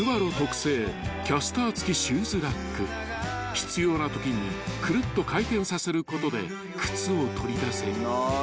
［必要なときにくるっと回転させることで靴を取り出せる］